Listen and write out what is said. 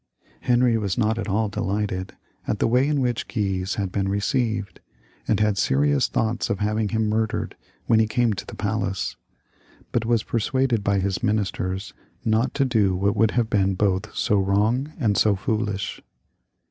Henry was not at all de lighted at the way in which Guise had been received, and had serious thoughts of having him murdered when he came to the palace ; but was persuaded by his ministers not to do what would have been both so wrong and so foolish.